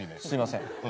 すいません。